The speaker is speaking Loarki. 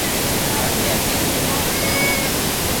باقي آگي اومون ھي پڙو ھون